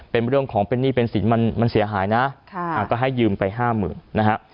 เป็นเรื่องของเป็นหนี้เป็นสินมันเสียหายนะก็ให้ยืมไปห้าหมื่นนะฮะ